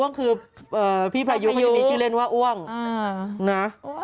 พี่พายุเขาบอกว่าอ้วงคือพี่พายุเขาจะมีชื่อเล่นว่าอ้วงนะ